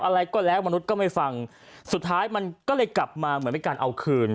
อะไรก็แล้วมนุษย์ก็ไม่ฟังสุดท้ายมันก็เลยกลับมาเหมือนเป็นการเอาคืน